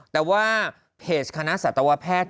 แต่ว่าเพจคณะสัตวแพทย์